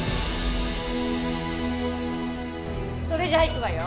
それじゃいくわよ！